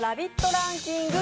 ランキング